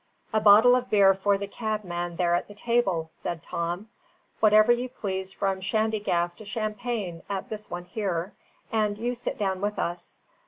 "A bottle of beer for the cabman there at that table," said Tom. "Whatever you please from shandygaff to champagne at this one here; and you sit down with us.